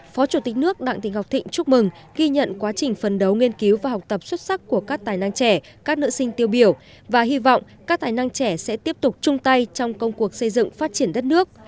phó chủ tịch nước đặng thị ngọc thịnh chúc mừng ghi nhận quá trình phân đấu nghiên cứu và học tập xuất sắc của các tài năng trẻ các nữ sinh tiêu biểu và hy vọng các tài năng trẻ sẽ tiếp tục chung tay trong công cuộc xây dựng phát triển đất nước